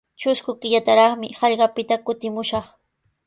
Trusku killataraqmi hallqapita kutimushaq.